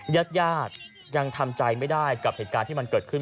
ญาติญาติยังทำใจไม่ได้กับเหตุการณ์ที่มันเกิดขึ้น